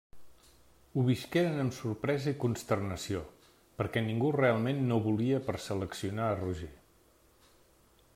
Ho visqueren amb sorpresa i consternació, perquè ningú realment no volia per seleccionar a Roger.